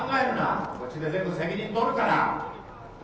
こっちで全部責任取るから。